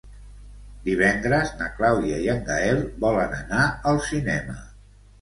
Divendres na Clàudia i en Gaël volen anar al cinema.